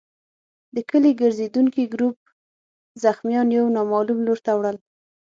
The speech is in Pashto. د کلي ګرزېدونکي ګروپ زخمیان يو نامعلوم لور ته وړل.